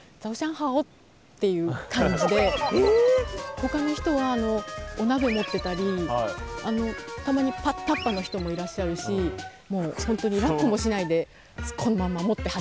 ほかの人はお鍋持ってたりたまにタッパーの人もいらっしゃるしもう本当にラップもしないでこのまま持って走って。